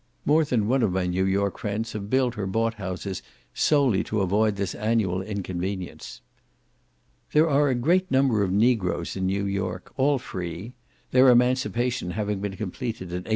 More than one of my New York friends have built or bought houses solely to avoid this annual inconvenience. There are a great number of negroes in New York, all free; their emancipation having been completed in 1827.